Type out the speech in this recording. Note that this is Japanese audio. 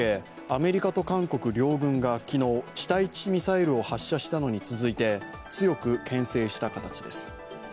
アメリカと韓国両軍が昨日、地対地ミサイルを発射したのに続いて強く牽制した形です。